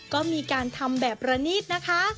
ก็มีการทำแบบระนิดนะคะ